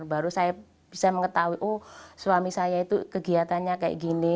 baru saya bisa mengetahui oh suami saya itu kegiatannya kayak gini